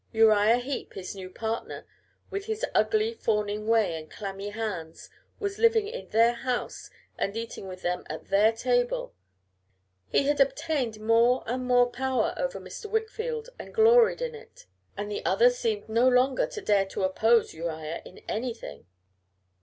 Uriah Heep, his new partner, with his ugly, fawning way and clammy hands, was living in their house and eating with them at their table. He had obtained more and more power over Mr. Wickfield and gloried in it. And the other seemed no longer to dare to oppose Uriah in anything.